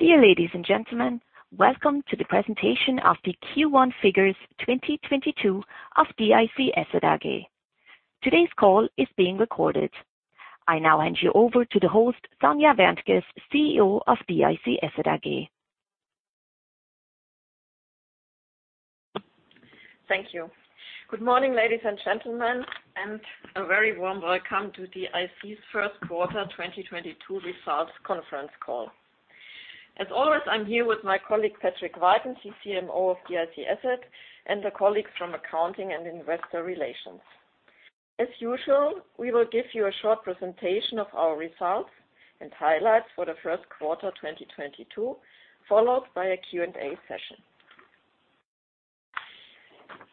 Dear ladies and gentlemen, welcome to the presentation of the Q1 figures 2022 of DIC Asset AG. Today's call is being recorded. I now hand you over to the host, Sonja Wärntges, CEO of DIC Asset AG. Thank you. Good morning, ladies and gentlemen, and a very warm welcome to DIC's Q1 2022 results conference call. As always, I'm here with my colleague, Patrick Weiden, CCMO of DIC Asset, and the colleagues from accounting and investor relations. As usual, we will give you a short presentation of our results and highlights for the Q1 2022, followed by a Q&A session.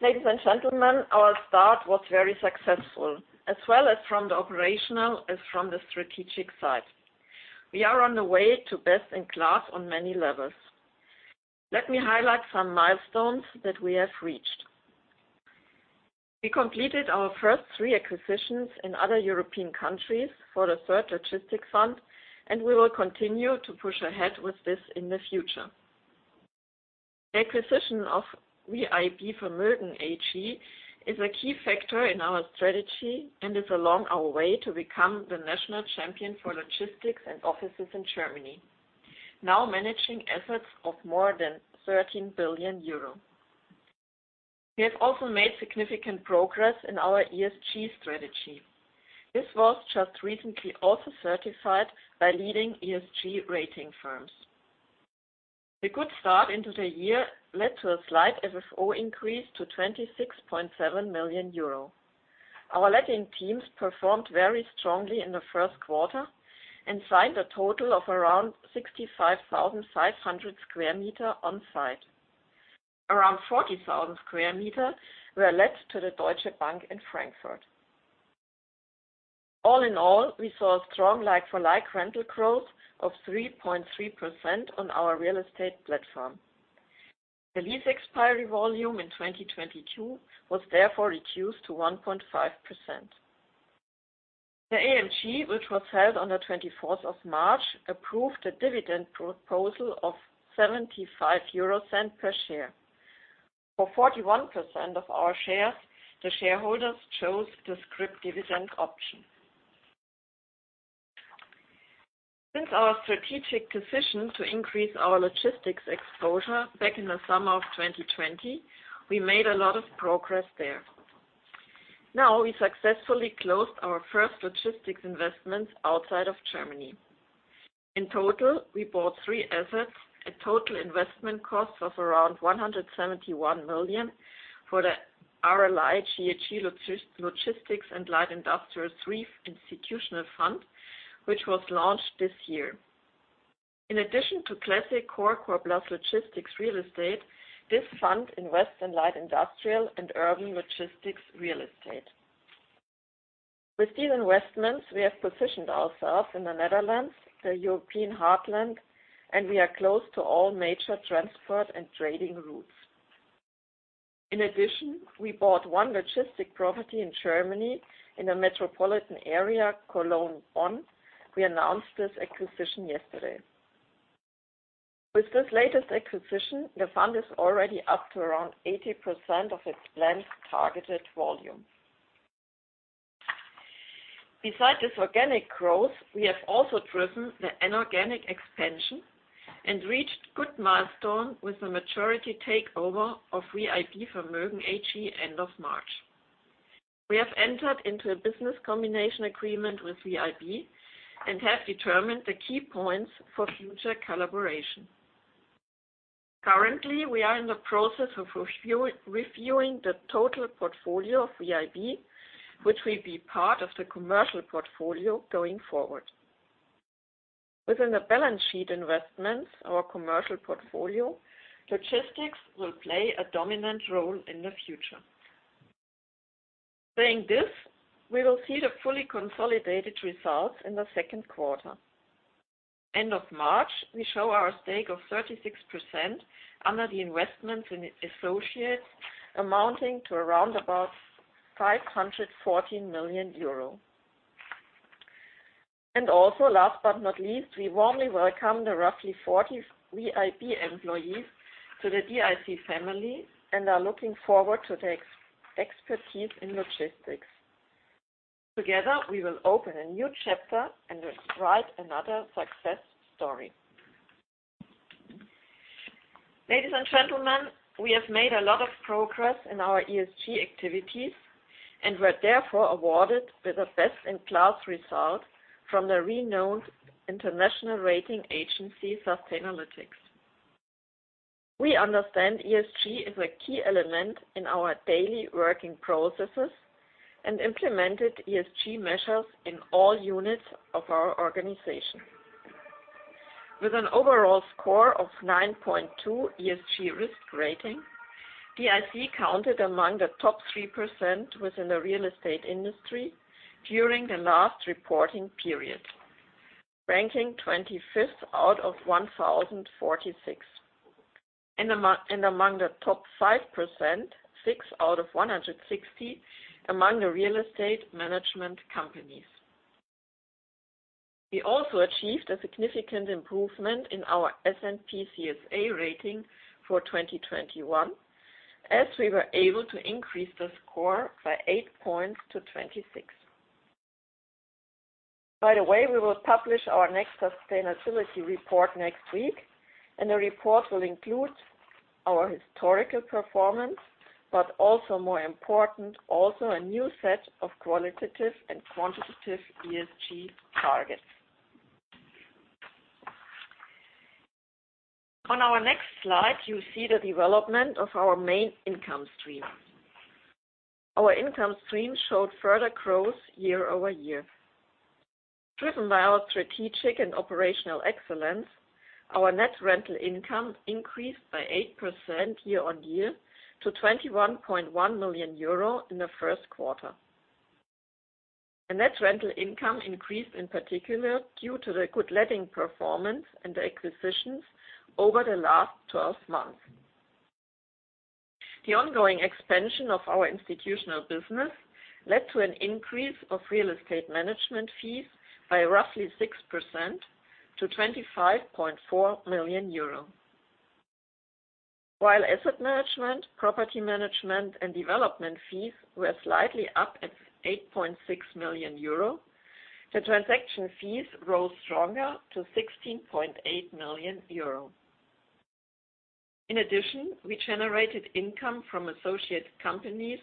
Ladies and gentlemen, our start was very successful, as well as from the operational, as from the strategic side. We are on the way to best in class on many levels. Let me highlight some milestones that we have reached. We completed our first 3 acquisitions in other European countries for the third logistics fund, and we will continue to push ahead with this in the future. The acquisition of VIB Vermögen AG is a key factor in our strategy and is along our way to become the national champion for logistics and offices in Germany. Now managing assets of more than 13 billion euro. We have also made significant progress in our ESG strategy. This was just recently also certified by leading ESG rating firms. The good start into the year led to a slight FFO increase to 26.7 million euro. Our letting teams performed very strongly in the Q1 and signed a total of around 65,500 square meters on site. Around 40,000 square meters were let to the Deutsche Bank in Frankfurt. All in all, we saw a strong like-for-like rental growth of 3.3% on our real estate platform. The lease expiry volume in 2022 was therefore reduced to 1.5%. The AGM, which was held on the twenty-fourth of March, approved a dividend proposal of 0.75 per share. For 41% of our shares, the shareholders chose the scrip dividend option. Since our strategic decision to increase our logistics exposure back in the summer of 2020, we made a lot of progress there. Now we successfully closed our first logistics investment outside of Germany. In total, we bought three assets at total investment costs of around 171 million for the RLI-GEG Logistics & Light Industrial III Institutional Fund, which was launched this year. In addition to classic core plus logistics real estate, this fund invests in light industrial and urban logistics real estate. With these investments, we have positioned ourselves in the Netherlands, the European heartland, and we are close to all major transport and trading routes. In addition, we bought one logistics property in Germany in the metropolitan area, Cologne-Bonn. We announced this acquisition yesterday. With this latest acquisition, the fund is already up to around 80% of its planned targeted volume. Besides this organic growth, we have also driven the inorganic expansion and reached good milestone with the majority takeover of VIB Vermögen AG end of March. We have entered into a business combination agreement with VIB and have determined the key points for future collaboration. Currently, we are in the process of reviewing the total portfolio of VIB, which will be part of the commercial portfolio going forward. Within the balance sheet investments, our commercial portfolio, logistics will play a dominant role in the future. Saying this, we will see the fully consolidated results in the Q2. End of March, we show our stake of 36% under the investments in associates amounting to around about 514 million euro. Also, last but not least, we warmly welcome the roughly 40 VIB employees to the DIC family and are looking forward to their expertise in logistics. Together, we will open a new chapter and write another success story. Ladies and gentlemen, we have made a lot of progress in our ESG activities and were therefore awarded with the best in class result from the renowned international rating agency, Sustainalytics. We understand ESG is a key element in our daily working processes and implemented ESG measures in all units of our organization. With an overall score of 9.2 ESG risk rating, DIC counted among the top 3% within the real estate industry during the last reporting period, ranking 25th out of 1,046. Among the top 5%, 6 out of 160 among the real estate management companies. We also achieved a significant improvement in our S&P CSA rating for 2021, as we were able to increase the score by 8 points to 26. By the way, we will publish our next sustainability report next week, and the report will include our historical performance, but also more important, also a new set of qualitative and quantitative ESG targets. On our next slide, you see the development of our main income stream. Our income stream showed further growth year-over-year. Driven by our strategic and operational excellence, our net rental income increased by 8% year-on-year to EUR 21.1 million in the Q2. The net rental income increased in particular due to the good letting performance and the acquisitions over the last 12 months. The ongoing expansion of our institutional business led to an increase of real estate management fees by roughly 6% to 25.4 million euro. While asset management, property management and development fees were slightly up at 8.6 million euro, the transaction fees rose stronger to 16.8 million euro. In addition, we generated income from associate companies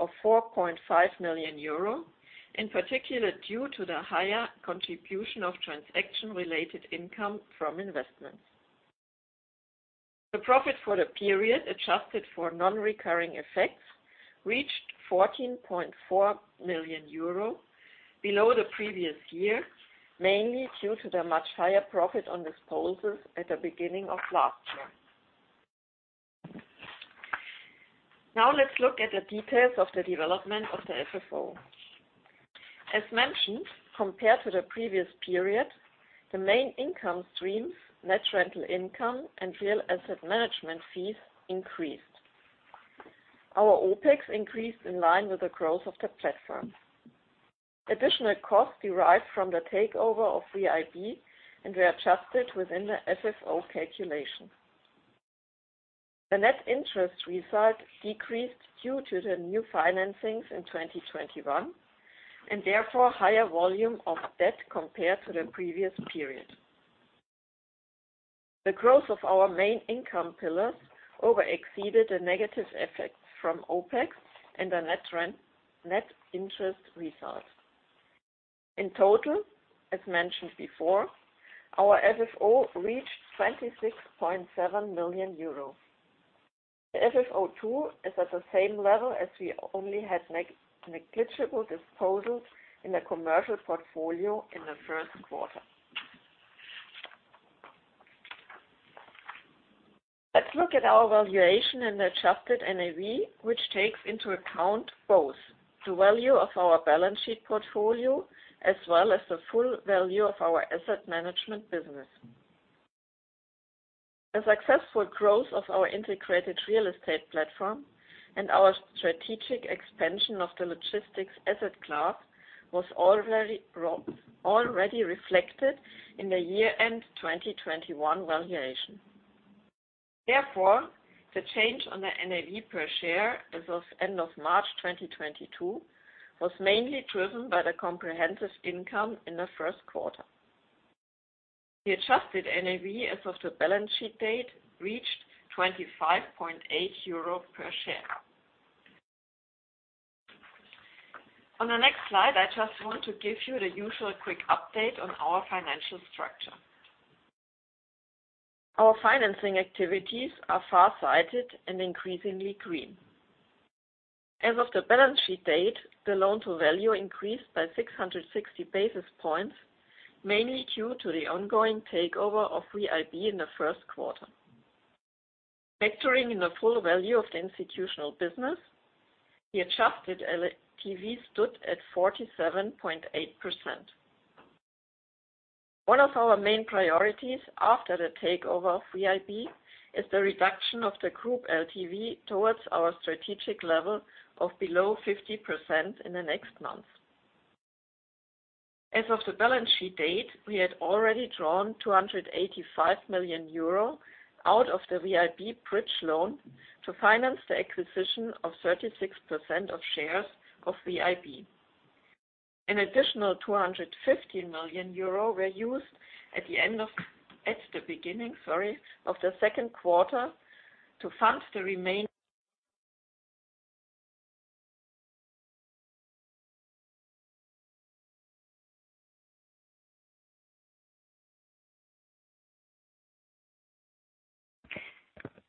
of 4.5 million euro, in particular due to the higher contribution of transaction-related income from investments. The profit for the period adjusted for non-recurring effects reached 14.4 million euro below the previous year, mainly due to the much higher profit on disposals at the beginning of last year. Now let's look at the details of the development of the FFO. As mentioned, compared to the previous period, the main income streams, net rental income and real asset management fees increased. Our OPEX increased in line with the growth of the platform. Additional costs derived from the takeover of VIB and were adjusted within the FFO calculation. The net interest result decreased due to the new financings in 2021, and therefore higher volume of debt compared to the previous period. The growth of our main income pillars outweighed the negative effects from OPEX and the net interest result. In total, as mentioned before, our FFO reached 26.7 million euro. The FFO, too, is at the same level as we only had negligible disposals in the commercial portfolio in the Q1. Let's look at our valuation and adjusted NAV, which takes into account both the value of our balance sheet portfolio as well as the full value of our asset management business. The successful growth of our integrated real estate platform and our strategic expansion of the logistics asset class was already reflected in the year-end 2021 valuation. Therefore, the change on the NAV per share as of end of March 2022 was mainly driven by the comprehensive income in the Q1. The adjusted NAV as of the balance sheet date reached 25.8 euro per share. On the next slide, I just want to give you the usual quick update on our financial structure. Our financing activities are far-sighted and increasingly green. As of the balance sheet date, the loan to value increased by 660 basis points, mainly due to the ongoing takeover of VIB in the Q1. Factoring in the full value of the institutional business, the adjusted LTV stood at 47.8%. One of our main priorities after the takeover of VIB is the reduction of the group LTV towards our strategic level of below 50% in the next months. As of the balance sheet date, we had already drawn 285 million euro out of the VIB bridge loan to finance the acquisition of 36% of shares of VIB. An additional 250 million euro were used at the beginning, sorry, of the Q2 to fund the remaining.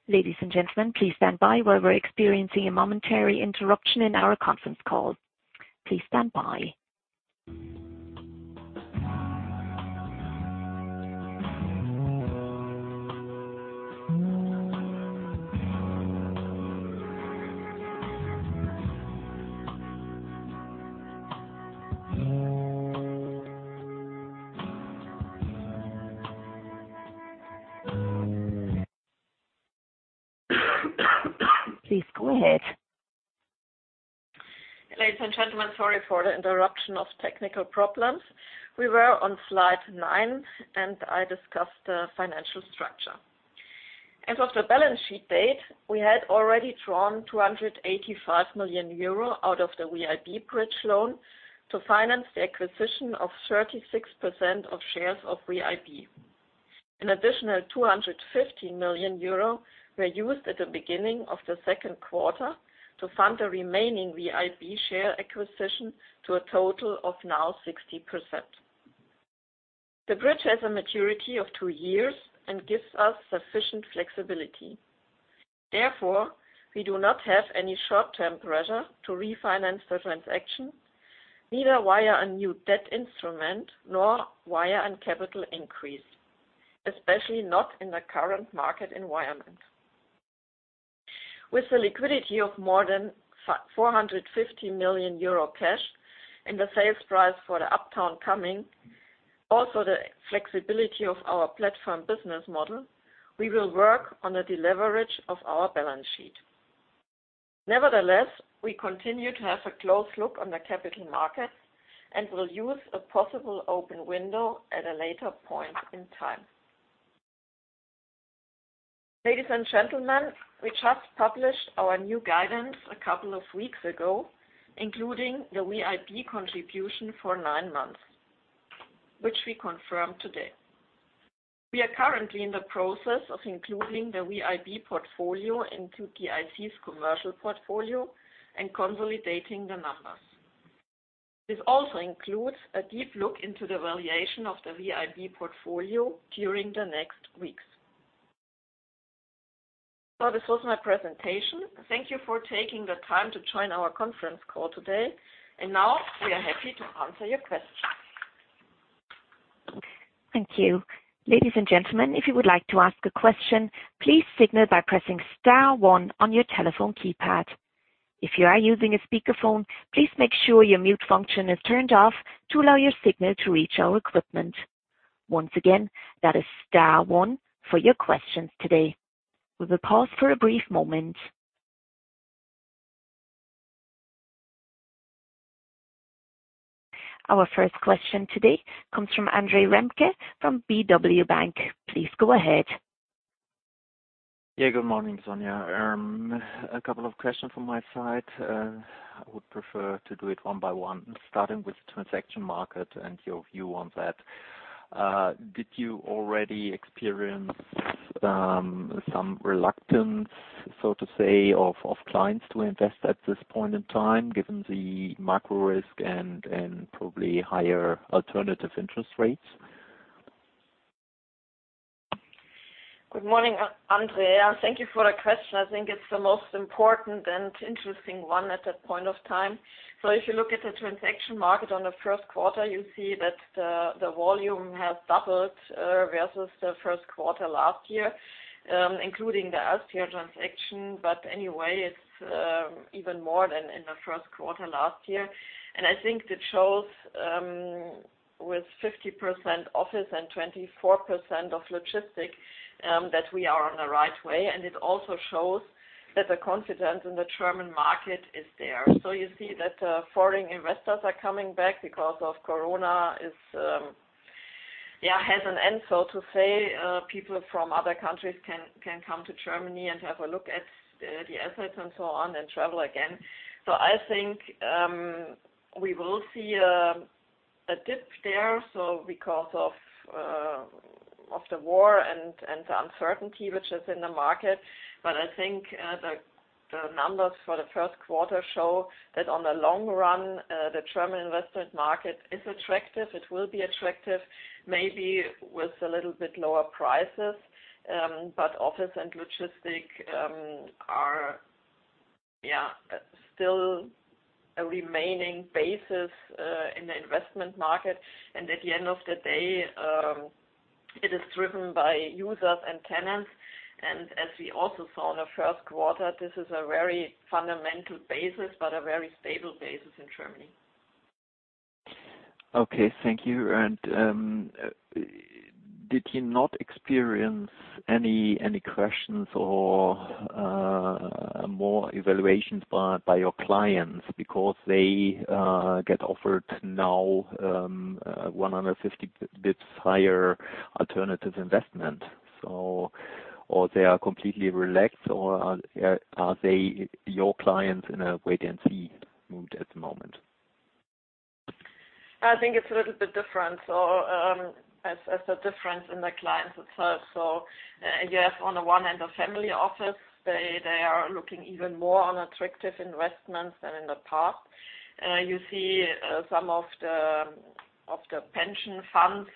Ladies and gentlemen, please stand by while we're experiencing a momentary interruption in our conference call. Please stand by. Please go ahead. Ladies and gentlemen, sorry for the interruption of technical problems. We were on slide nine and I discussed the financial structure. As of the balance sheet date, we had already drawn 285 million euro out of the VIB bridge loan to finance the acquisition of 36% of shares of VIB. An additional 250 million euro were used at the beginning of the Q2 to fund the remaining VIB share acquisition to a total of now 60%. The bridge has a maturity of two years and gives us sufficient flexibility. Therefore, we do not have any short-term pressure to refinance the transaction, neither via a new debt instrument nor via a capital increase, especially not in the current market environment. With the liquidity of more than 450 million euro cash and the sales price for the Uptown coming, also the flexibility of our platform business model, we will work on a deleverage of our balance sheet. Nevertheless, we continue to have a close look on the capital markets and will use a possible open window at a later point in time. Ladies and gentlemen, we just published our new guidance a couple of weeks ago, including the VIB contribution for nine months, which we confirm today. We are currently in the process of including the VIB portfolio into DIC's commercial portfolio and consolidating the numbers. This also includes a deep look into the valuation of the VIB portfolio during the next weeks. This was my presentation. Thank you for taking the time to join our conference call today, and now we are happy to answer your questions. Thank you. Ladies and gentlemen, if you would like to ask a question, please signal by pressing star one on your telephone keypad. If you are using a speakerphone, please make sure your mute function is turned off to allow your signal to reach our equipment. Once again, that is star one for your questions today. We will pause for a brief moment. Our first question today comes from Andre Remke from Baader Bank. Please go ahead. Yeah, good morning, Sonja. A couple of questions from my side. I would prefer to do it one by one, starting with transaction market and your view on that. Did you already experience some reluctance, so to say, of clients to invest at this point in time, given the macro risk and probably higher alternative interest rates? Good morning, Andre. Thank you for the question. I think it's the most important and interesting one at that point of time. If you look at the transaction market in the Q1, you see that the volume has doubled versus the Q1 last year, last year. I think that shows, with 50% office and 24% of logistics, that we are on the right way. It also shows that the confidence in the German market is there. You see that foreign investors are coming back because Corona has an end, so to say. People from other countries can come to Germany and have a look at the assets and so on and travel again. I think we will see a dip there, because of the war and the uncertainty which is in the market. I think the numbers for the Q1 show that in the long run the German investment market is attractive. It will be attractive, maybe with a little bit lower prices. Office and logistics are still a remaining basis in the investment market. At the end of the day, it is driven by users and tenants. As we also saw in the Q1, this is a very fundamental basis, but a very stable basis in Germany. Okay, thank you. Did you not experience any questions or more evaluations by your clients because they get offered now 150 basis points higher alternative investment? Or they are completely relaxed or are they your clients in a wait-and-see mood at the moment? I think it's a little bit different. As the difference in the clients itself. Yes, on the one hand, the family office, they are looking even more on attractive investments than in the past. You see, some of the pension funds,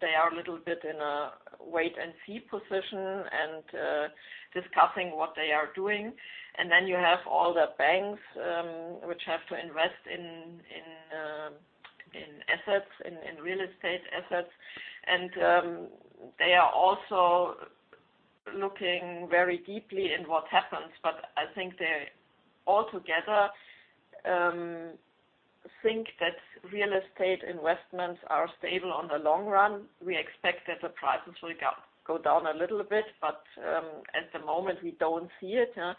they are a little bit in a wait-and-see position and discussing what they are doing. Then you have all the banks which have to invest in real estate assets. They are also looking very deeply in what happens, but I think they all together think that real estate investments are stable on the long run. We expect that the prices will go down a little bit, but at the moment, we don't see it, yeah.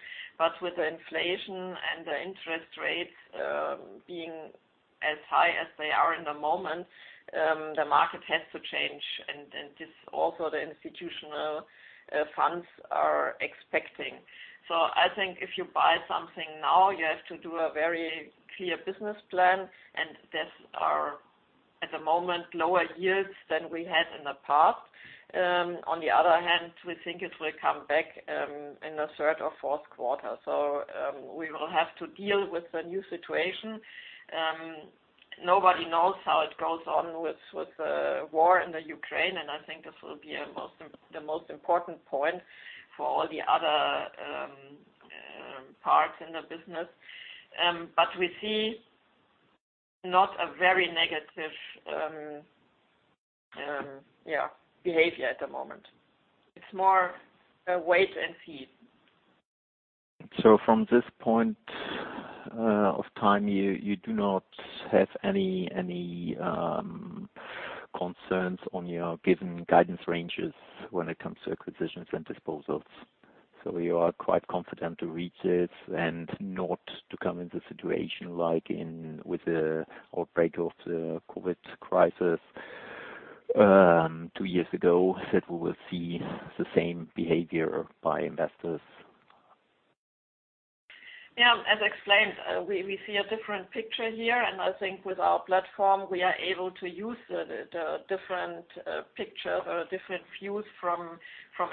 With the inflation and the interest rates, being as high as they are in the moment, the market has to change. This also the institutional funds are expecting. I think if you buy something now, you have to do a very clear business plan, and these are, at the moment, lower yields than we had in the past. On the other hand, we think it will come back, in the third or Q1. We will have to deal with the new situation. Nobody knows how it goes on with the war in the Ukraine, and I think this will be the most important point for all the other parts in the business. We see not a very negative behavior at the moment. It's more a wait-and-see. From this point of time, you do not have any concerns on your given guidance ranges when it comes to acquisitions and disposals. You are quite confident to reach this and not to come in the situation like in with the outbreak of the COVID crisis, two years ago, that we will see the same behavior by investors. Yeah. As explained, we see a different picture here, and I think with our platform, we are able to use the different picture, different views from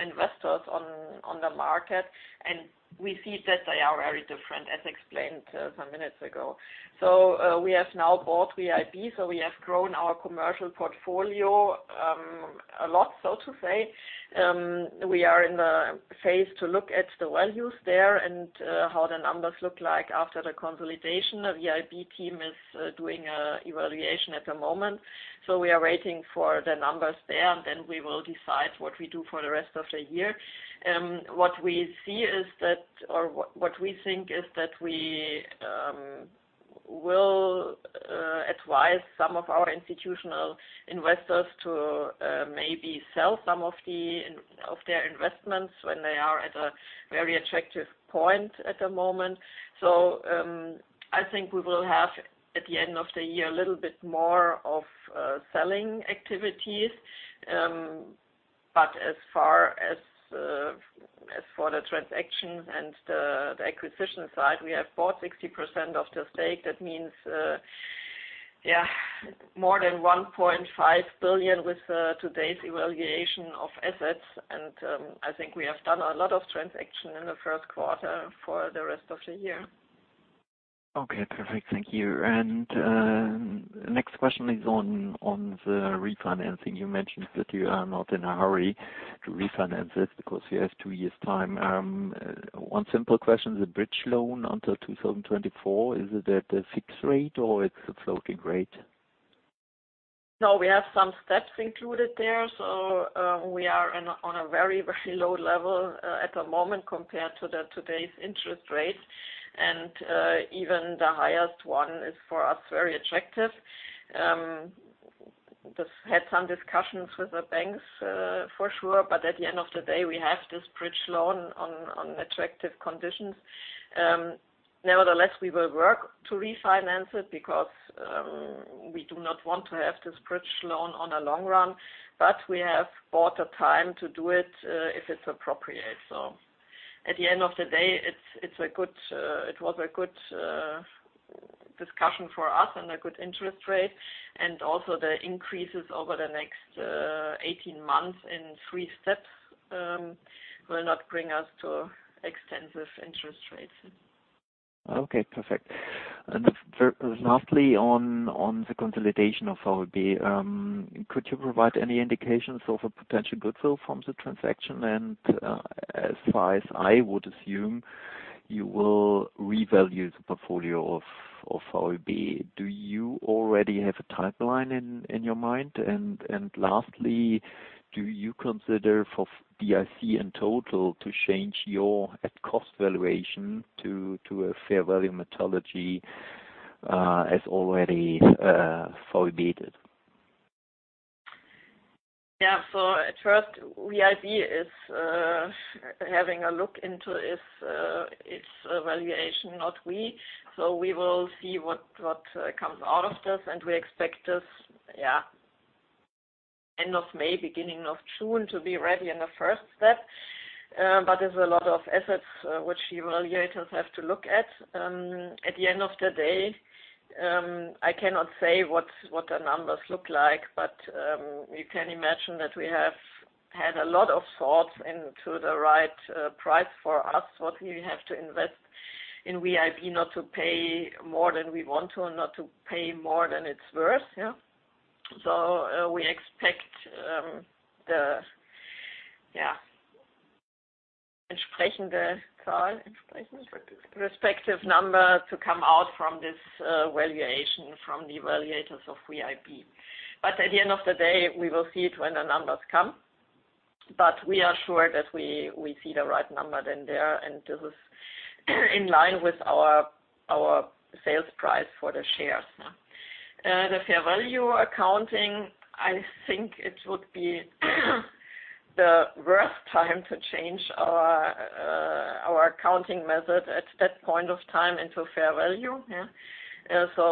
investors on the market. We see that they are very different, as explained, some minutes ago. We have now bought VIB, so we have grown our commercial portfolio, a lot, so to say. We are in the phase to look at the values there and how the numbers look like after the consolidation. The VIB team is doing evaluation at the moment. We are waiting for the numbers there, and then we will decide what we do for the rest of the year. What we see is that, or what we think is that we will advise some of our institutional investors to maybe sell some of their investments when they are at a very attractive point at the moment. I think we will have, at the end of the year, a little bit more of selling activities. As far as for the transactions and the acquisition side, we have bought 60% of the stake. That means more than 1.5 billion with today's valuation of assets. I think we have done a lot of transactions in the Q1 for the rest of the year. Okay. Perfect. Thank you. Next question is on the refinancing. You mentioned that you are not in a hurry to refinance this because you have two years' time. One simple question, the bridge loan until 2024, is it at a fixed rate or it's a floating rate? No, we have some steps included there. We are on a very, very low level at the moment compared to today's interest rates. Even the highest one is for us very attractive. Just had some discussions with the banks, for sure. At the end of the day, we have this bridge loan on attractive conditions. Nevertheless, we will work to refinance it because we do not want to have this bridge loan in the long run. We have bought time to do it if it's appropriate. At the end of the day, it was a good discussion for us and a good interest rate. Also the increases over the next 18 months in three steps will not bring us to excessive interest rates. Okay, perfect. Lastly, on the consolidation of VIB, could you provide any indications of a potential goodwill from the transaction? As far as I would assume, you will revalue the portfolio of VIB. Do you already have a timeline in your mind? Lastly, do you consider for DIC in total to change your at cost valuation to a fair value methodology, as already VIB did? At first, VIB is having a look into its valuation, not we. We will see what comes out of this, and we expect this end of May, beginning of June to be ready in the first step. There's a lot of assets which the evaluators have to look at. At the end of the day, I cannot say what the numbers look like, but you can imagine that we have had a lot of thoughts into the right price for us, what we have to invest in VIB not to pay more than we want to, not to pay more than it's worth. We expect the respective number to come out from this valuation from the evaluators of VIB. At the end of the day, we will see it when the numbers come, but we are sure that we see the right number then there, and this is in line with our sales price for the shares. The fair value accounting, I think it would be the worst time to change our accounting method at that point of time into fair value.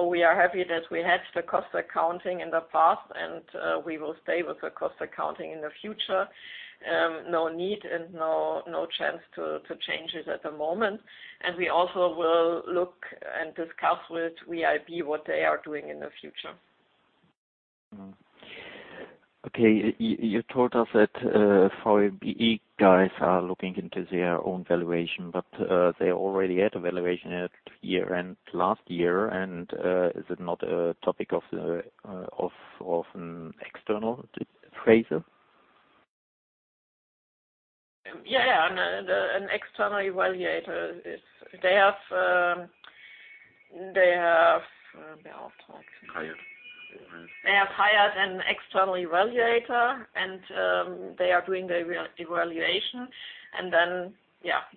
We are happy that we had the cost accounting in the past, and we will stay with the cost accounting in the future. No need and no chance to change it at the moment. We also will look and discuss with VIB what they are doing in the future. You told us that VIB guys are looking into their own valuation, but they already had a valuation at year-end last year. Is it not a topic of an external appraiser? Yeah, an external evaluator is. They have. Hired. They have hired an external evaluator and they are doing the re-evaluation.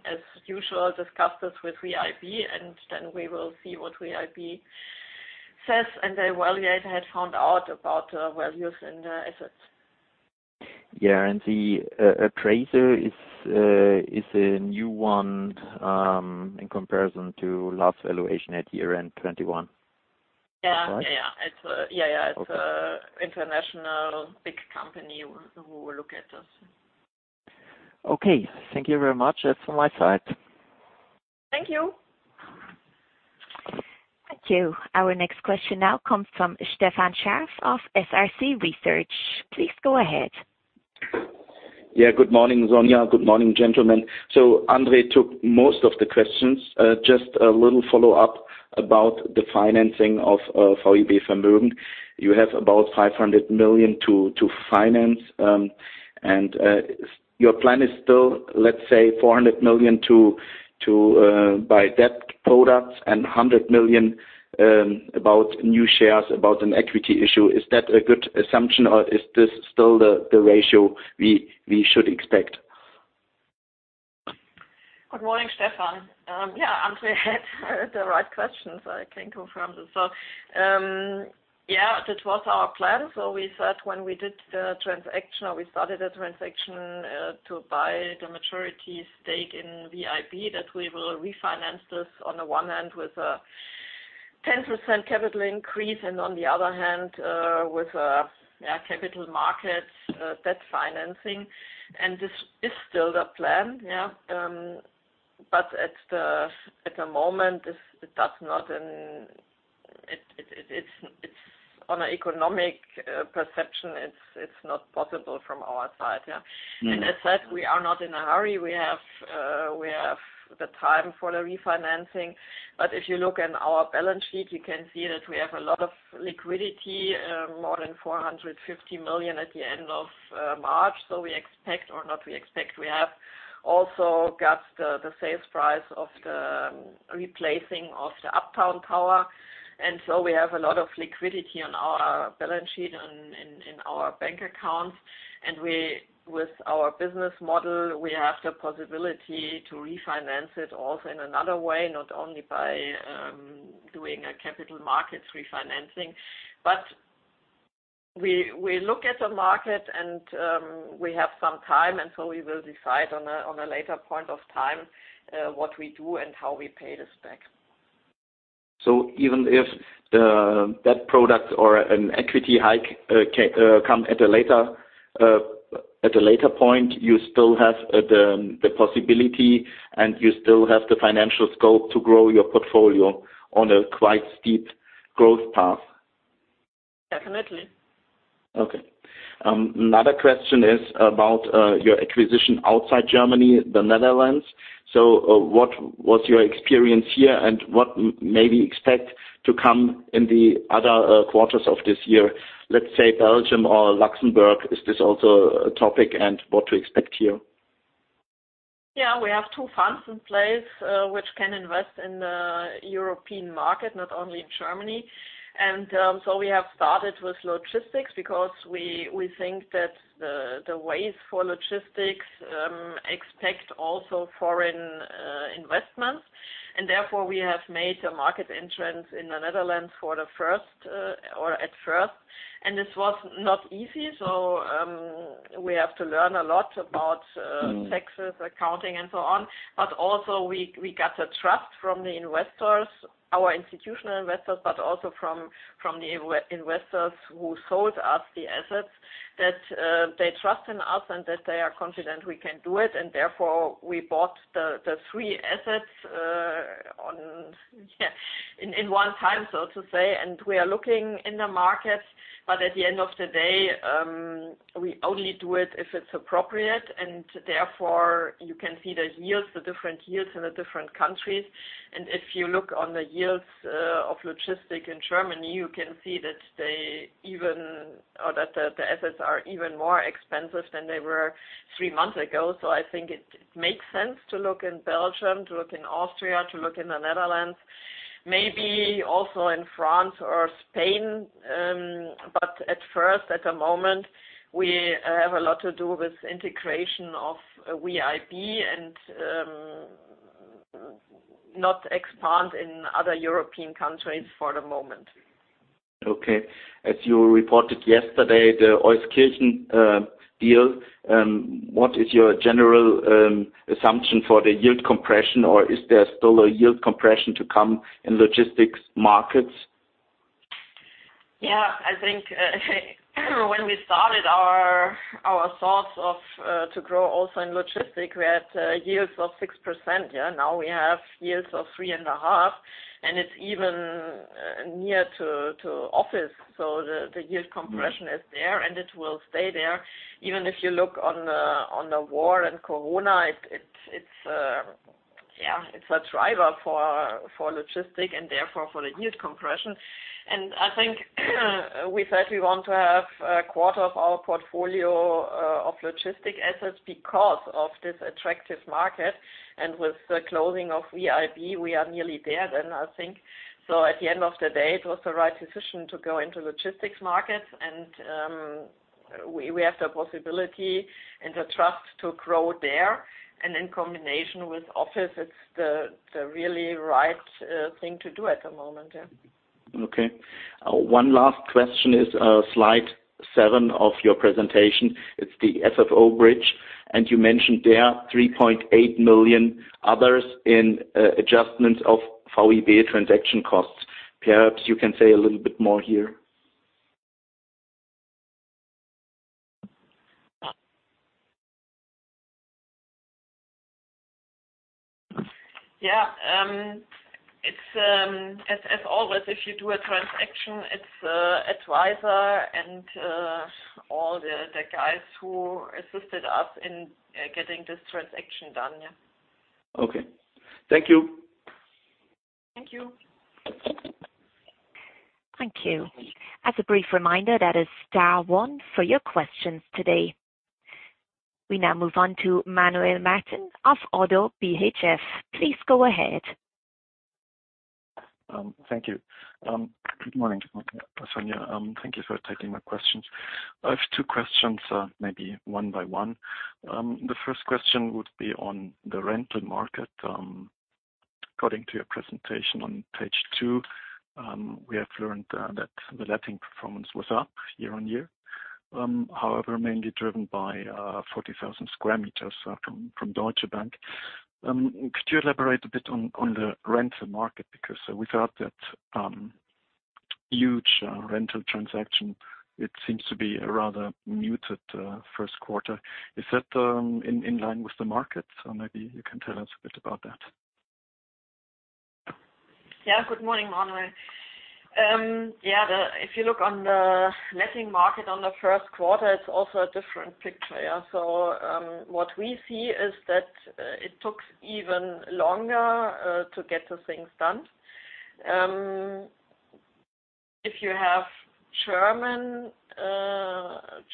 As usual, discuss this with VIB, and then we will see what VIB says, and the evaluator had found out about values and assets. Yeah. The appraiser is a new one in comparison to last valuation at year-end 2021. Yeah. That's right? Yeah, it's a. Okay. Yeah, it's an international big company who will look at this. Okay. Thank you very much. That's from my side. Thank you. Thank you. Our next question now comes from Stefan Scharff of SRC Research. Please go ahead. Good morning, Sonja. Good morning, gentlemen. Andre took most of the questions. Just a little follow-up about the financing of VIB Vermögen. You have about 500 million to finance, and your plan is still, let's say, 400 million to buy debt products and 100 million about new shares, about an equity issue. Is that a good assumption or is this still the ratio we should expect? Good morning, Stefan. Yeah, Andre had the right questions. I can confirm this. Yeah, that was our plan. We said when we did the transaction or we started the transaction to buy the majority stake in VIB, that we will refinance this on the one hand with a 10% capital increase and on the other hand with a capital market debt financing. This is still the plan, yeah. But at the moment, this, it does not... It's on an economic perspective, it's not possible from our side, yeah. Mm-hmm. As said, we are not in a hurry. We have the time for the refinancing. But if you look in our balance sheet, you can see that we have a lot of liquidity, more than 450 million at the end of March. We have also got the sales price of the sale of the Uptown Tower. We have a lot of liquidity on our balance sheet and in our bank accounts. With our business model, we have the possibility to refinance it also in another way, not only by doing a capital markets refinancing. We look at the market and we have some time, and so we will decide on a later point of time what we do and how we pay this back. Even if the debt product or an equity hike come at a later point, you still have the possibility and you still have the financial scope to grow your portfolio on a quite steep growth path? Definitely. Okay. Another question is about your acquisition outside Germany, the Netherlands. What was your experience here and what maybe expect to come in the other quarters of this year? Let's say Belgium or Luxembourg, is this also a topic and what to expect here? Yeah, we have two funds in place, which can invest in the European market, not only in Germany. We have started with logistics because we think that the ways for logistics expect also foreign investments. Therefore, we have made a market entrance in the Netherlands for the first or at first. This was not easy. We have to learn a lot about Mm. Taxes, accounting, and so on. We got a trust from the investors, our institutional investors, but also from the investors who sold us the assets, that they trust in us and that they are confident we can do it. Therefore, we bought the three assets in one time, so to say. We are looking in the market, but at the end of the day, we only do it if it's appropriate. Therefore, you can see the yields, the different yields in the different countries. If you look on the yields of logistics in Germany, you can see that the assets are even more expensive than they were three months ago. I think it makes sense to look in Belgium, to look in Austria, to look in the Netherlands. Maybe also in France or Spain. At first, at the moment, we have a lot to do with integration of VIB and not expand in other European countries for the moment. Okay. As you reported yesterday, the Euskirchen deal, what is your general assumption for the yield compression or is there still a yield compression to come in logistics markets? Yeah, I think when we started our thoughts of to grow also in logistics, we had yields of 6%, yeah. Now we have yields of 3.5%, and it's even near to office. The yield compression is there and it will stay there. Even if you look on the war and Corona, it's a driver for logistics and therefore for the yield compression. I think we said we want to have a quarter of our portfolio of logistics assets because of this attractive market. With the closing of VIB, we are nearly there then I think. At the end of the day, it was the right decision to go into logistics markets and we have the possibility and the trust to grow there. In combination with office, it's the really right thing to do at the moment, yeah. Okay. One last question is slide seven of your presentation. It's the FFO bridge, and you mentioned there 3.8 million in other adjustments of VIB transaction costs. Perhaps you can say a little bit more here. Yeah. It's as always, if you do a transaction, it's advisors and all the guys who assisted us in getting this transaction done, yeah. Okay. Thank you. Thank you. Thank you. As a brief reminder, that is star one for your questions today. We now move on to Manuel Martin of Oddo BHF. Please go ahead. Thank you. Good morning, Sonja. Thank you for taking my questions. I have two questions, maybe one by one. The first question would be on the rental market. According to your presentation on page two, we have learned that the letting performance was up year-over-year, however, mainly driven by 40,000 square meters from Deutsche Bank. Could you elaborate a bit on the rental market? Because without that huge rental transaction, it seems to be a rather muted Q1. Is that in line with the market? Maybe you can tell us a bit about that. Yeah. Good morning, Manuel. If you look on the letting market on the Q1, it's also a different picture. What we see is that it takes even longer to get the things done. If you have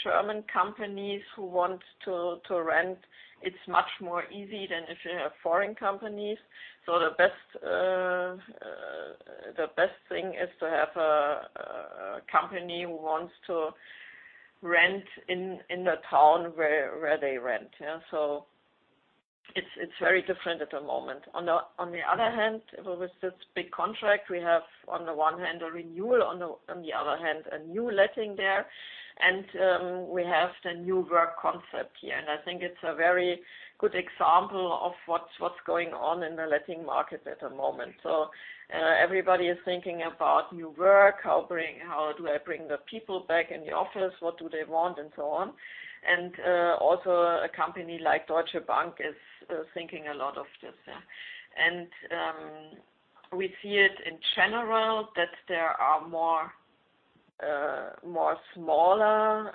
German companies who want to rent, it's much more easy than if you have foreign companies. The best thing is to have a company who wants to rent in the town where they rent. It's very different at the moment. On the other hand, with this big contract, we have, on the one hand, a renewal, on the other hand, a new letting there. We have the new work concept here, and I think it's a very good example of what's going on in the letting market at the moment. Everybody is thinking about new work. How do I bring the people back in the office? What do they want? And so on. Also a company like Deutsche Bank is thinking a lot of this, yeah. We see it in general that there are more smaller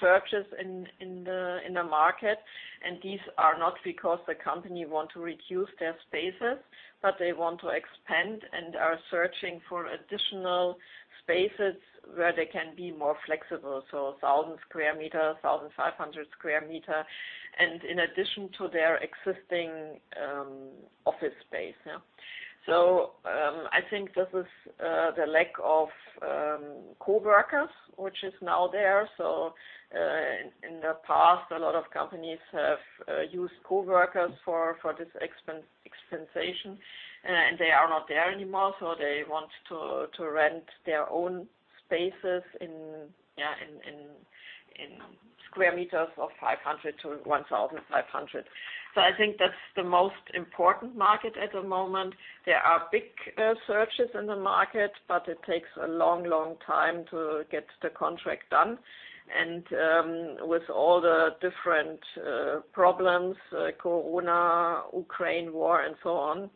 searches in the market. These are not because the company want to reduce their spaces, but they want to expand and are searching for additional spaces where they can be more flexible. 1,000 square meter, 1,500 square meter. In addition to their existing office space, yeah. I think this is the lack of co-working which is now there. In the past, a lot of companies have used co-working for this expansion, and they are not there anymore. They want to rent their own spaces in 500-1,500 square meters. I think that's the most important market at the moment. There are big searches in the market, but it takes a long time to get the contract done. With all the different problems, Corona, Ukraine war and so on,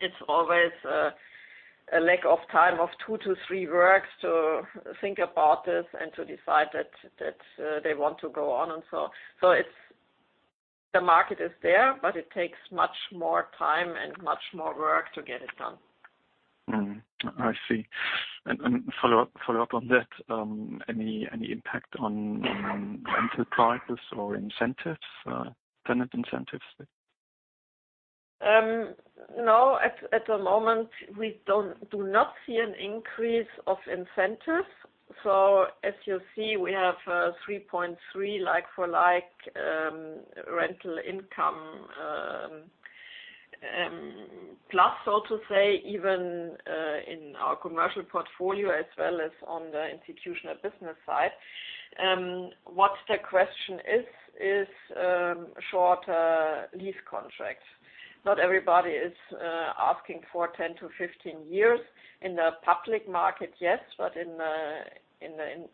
it's always a lack of time of 2-3 weeks to think about this and to decide that they want to go on. The market is there, but it takes much more time and much more work to get it done. Mm-hmm. I see. Follow up on that. Any impact on rental prices or incentives, tenant incentives? No. At the moment, we do not see an increase of incentives. As you see, we have 3.3 like-for-like rental income plus, so to say, even in our Commercial Portfolio as well as on the institutional business side. What the question is is shorter lease contracts. Not everybody is asking for 10-15 years. In the public market, yes, but in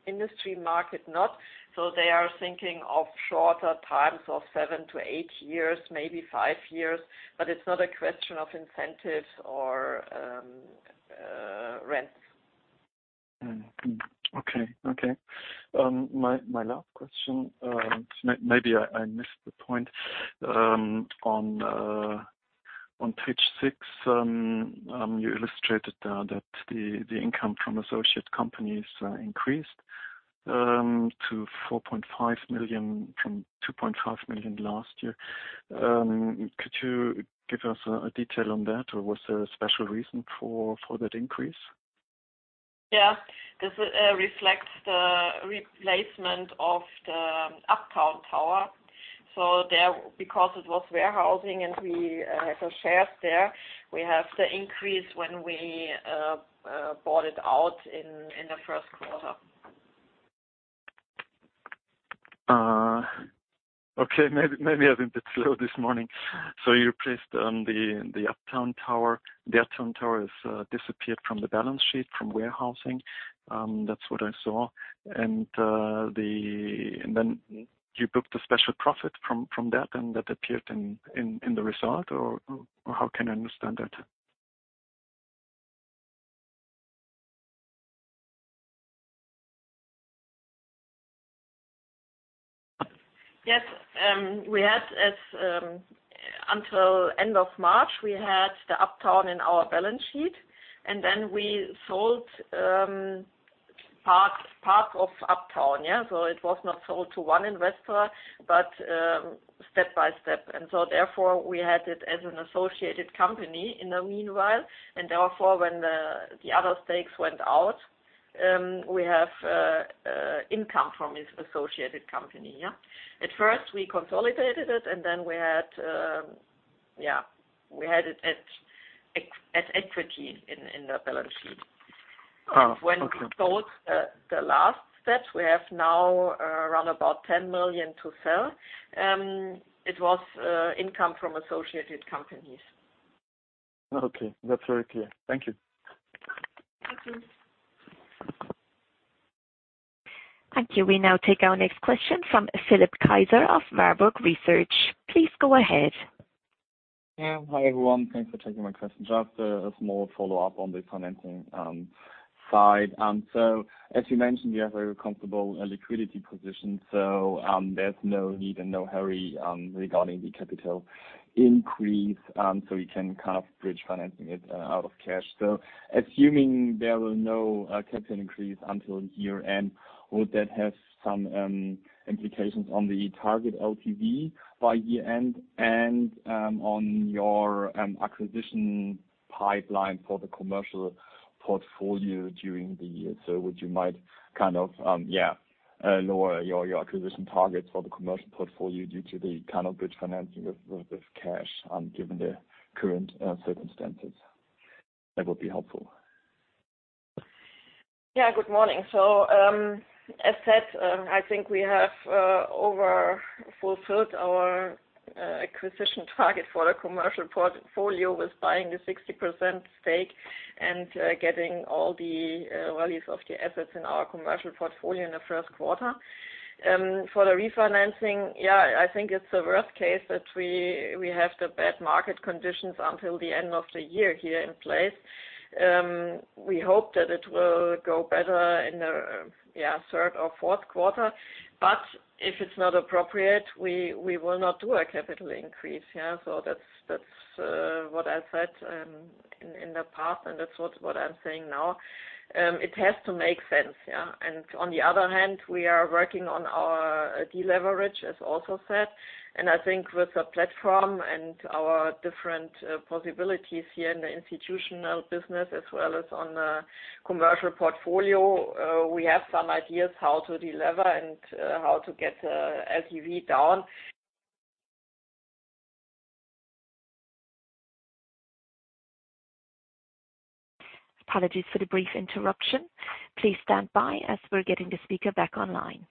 industrial market, not. They are thinking of shorter times of seven-eight years, maybe five years. But it's not a question of incentives or rents. My last question, maybe I missed the point. On page six, you illustrated that the income from associate companies increased to 4.5 million from 2.5 million last year. Could you give us a detail on that, or was there a special reason for that increase? Yeah. This reflects the replacement of the Uptown Tower. Because it was warehousing and we shared there, we have the increase when we bought it out in the Q1. Okay. Maybe I've been a bit slow this morning. You replaced the Uptown Tower. The Uptown Tower has disappeared from the balance sheet from warehousing. That's what I saw. Then you booked a special profit from that, and that appeared in the result, or how can I understand that? Yes. We had until end of March, we had the Uptown in our balance sheet, and then we sold part of Uptown, yeah. It was not sold to one investor, but step by step. Therefore, we had it as an associated company in the meanwhile, and therefore, when the other stakes went out, we have income from this associated company, yeah. At first we consolidated it, and then we had, yeah, we had it at equity in the balance sheet. Oh, okay. When we sold the last set, we have now around about 10 million to sell. It was income from associated companies. Okay. That's very clear. Thank you. Thank you. Thank you. We now take our next question from Philipp Kaiser of Warburg Research. Please go ahead. Yeah. Hi, everyone. Thanks for taking my question. Just a small follow-up on the financing side. As you mentioned, you have a comfortable liquidity position, so there's no need and no hurry regarding the capital increase. We can kind of bridge finance it out of cash. Assuming there will no capital increase until year-end, would that have some implications on the target LTV by year-end and on your acquisition pipeline for the Commercial Portfolio during the year? Would you might kind of lower your acquisition targets for the Commercial Portfolio due to the kind of bridge financing with cash, given the current circumstances? That would be helpful. Yeah. Good morning. As said, I think we have overfulfilled our acquisition target for the Commercial Portfolio with buying the 60% stake and getting all the values of the assets in our Commercial Portfolio in the Q1. For the refinancing, yeah, I think it's the worst case that we have the bad market conditions until the end of the year here in place. We hope that it will go better in the third or Q4. If it's not appropriate, we will not do a capital increase, yeah. That's what I said in the past, and that's what I'm saying now. It has to make sense, yeah. On the other hand, we are working on our de-leverage, as also said. I think with the platform and our different possibilities here in the institutional business as well as on the Commercial Portfolio, we have some ideas how to de-leverage and how to get LTV down. Apologies for the brief interruption. Please stand by as we're getting the speaker back online.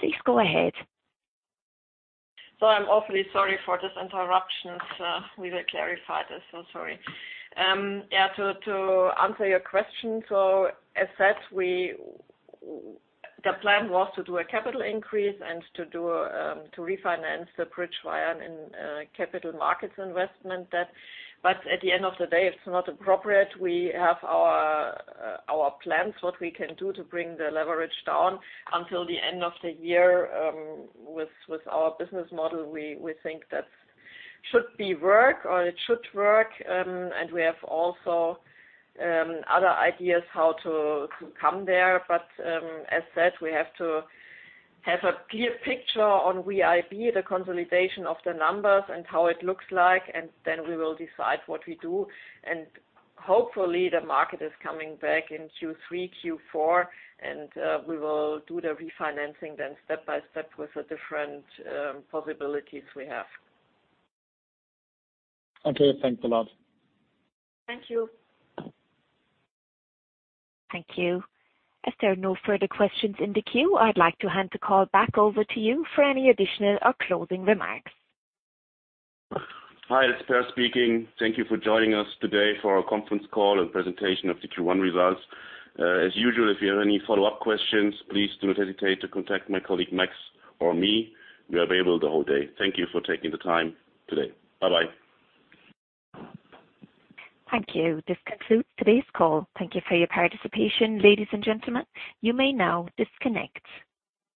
Please go ahead. I'm awfully sorry for this interruption. We will clarify this. Sorry. To answer your question, as said, the plan was to do a capital increase and to refinance the bridge loan in capital markets investment debt. At the end of the day, it's not appropriate. We have our plans what we can do to bring the leverage down until the end of the year. With our business model, we think that should work or it should work. We have also other ideas how to come there. As said, we have to have a clear picture on VIB, the consolidation of the numbers and how it looks like, and then we will decide what we do. Hopefully the market is coming back in Q3, Q4, and we will do the refinancing then step by step with the different possibilities we have. Okay, thanks a lot. Thank you. Thank you. As there are no further questions in the queue, I'd like to hand the call back over to you for any additional or closing remarks. Hi, it's Peer speaking. Thank you for joining us today for our conference call and presentation of the Q1 results. As usual, if you have any follow-up questions, please do not hesitate to contact my colleague, Max, or me. We are available the whole day. Thank you for taking the time today. Bye-bye. Thank you. This concludes today's call. Thank you for your participation, ladies and gentlemen. You may now disconnect.